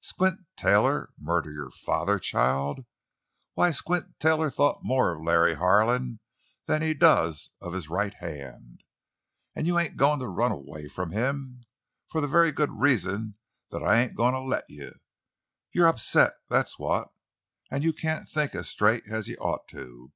"Squint Taylor murder your father, child! Why, Squint Taylor thought more of Larry Harlan than he does of his right hand. An' you ain't goin' to run away from him—for the very good reason that I ain't goin' to let you! You're upset—that's what—an' you can't think as straight as you ought to.